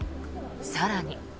更に。